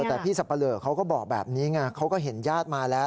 แต่พี่สับปะเลอเขาก็บอกแบบนี้ไงเขาก็เห็นญาติมาแล้ว